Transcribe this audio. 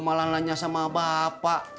malah nanya sama bapak